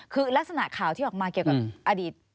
คือลักษณะข่าวที่ออกมาเกี่ยวกับอดีต